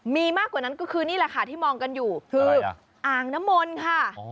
มีมากกว่านั้นก็คือนี่แหละค่ะที่มองกันอยู่คืออ่างน้ำมนต์ค่ะ